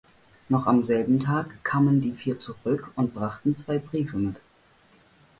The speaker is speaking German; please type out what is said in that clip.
Noch am selben Tag kamen die Vier zurück und brachten zwei Briefe mit.